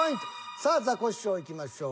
さあザコシショウいきましょう。